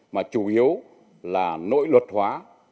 mà chủ yếu là nội luật hóa